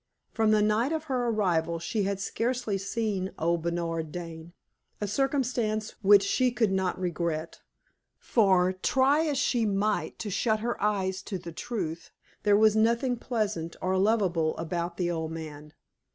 From the night of her arrival she had scarcely seen old Bernard Dane a circumstance which she could not regret; for, try as she might to shut her eyes to the truth, there was nothing pleasant or lovable about the old man.